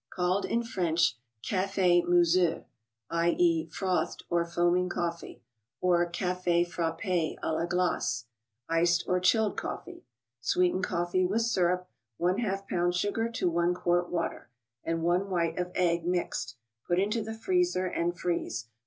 Called in French " CafeMous seuxC (/. e., frothed, or foam¬ ing coffee), or " Caft Frappta la Glace " (iced, or chilled ICED BEVERAGES . 65 coffee). Sweeten coffee with syrup (one half pound sugar to one quart water), and one white of egg, mixed. Put into the freezer, and freeze.